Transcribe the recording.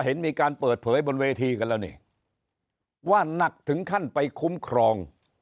เห็นมีการเปิดเผยบนเวทีกันแล้วนี่ว่านักถึงขั้นไปคุ้มครอง